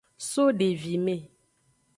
So devime.